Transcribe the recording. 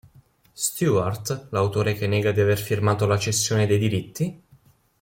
Stewart, l'autore che nega di aver firmato la cessione dei diritti?